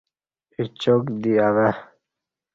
اچاک دی اوہ۔